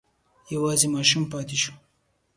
یوازې ماشوم پاتې شو.